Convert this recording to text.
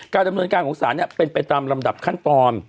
การดำเนินการของสารเนี่ยเป็นไปตามลำดับขั้นตอน